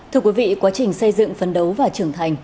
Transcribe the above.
thưa quý vị quá trình xây dựng phấn đấu và trưởng thành